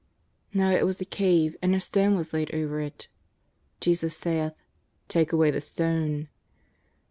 Now it was a cave, and a stone was laid over it. Jesus saith :" Take away the stone."